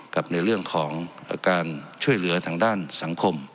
กับในเรื่องของการช่วยเหลือทางด้านสังคม